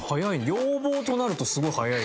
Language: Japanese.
要望となるとすごい早い。